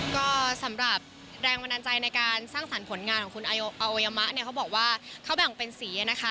ก็สำหรับแรงบันดาลใจในการสร้างสรรค์ผลงานของคุณอวัยมะเนี่ยเขาบอกว่าเขาแบ่งเป็นสีนะคะ